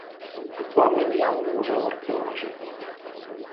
Actualment hi ha un museu arqueològic.